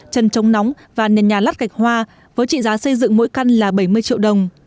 chân trống nóng và nền nhà lắt gạch hoa với trị giá xây dựng mỗi căn là bảy mươi triệu đồng